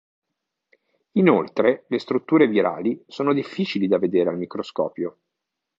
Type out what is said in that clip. Inoltre le strutture virali sono difficili da vedere al microscopio.